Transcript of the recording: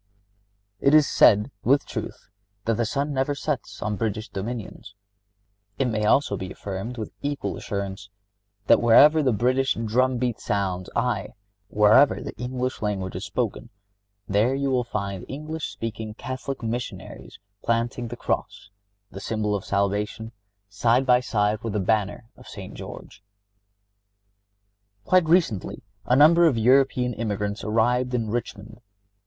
It is said, with truth, that the sun never sets on British dominions. It may also be affirmed, with equal assurance, that wherever the British drum beat sounds, aye, and wherever the English language is spoken, there you will find the English speaking Catholic Missionary planting the cross—the symbol of salvation—side by side with the banner of St. George. Quite recently a number of European emigrants arrived in Richmond.